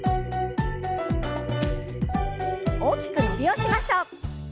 大きく伸びをしましょう。